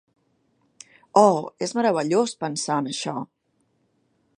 Oh, és meravellós pensar en això.